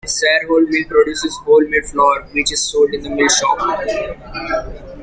Sarehole Mill produces wholemeal flour which is sold in the mill shop.